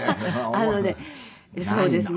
あのねそうですね。